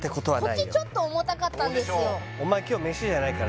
こっちちょっと重たかったんですよ